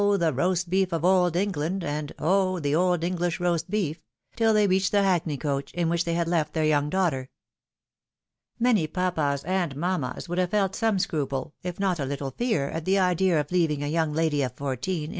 the roast beef of Old England, and, oh ! the old English roast beef," tiU they reached the haokney coach, in which they had left their young daughter. Many papas and mammas would have felt some scruple, if not a. little fear, at the idea of leaving a young lady of fourteen in 72 THE WIDOW MARRIED.